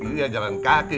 iya jalan kaki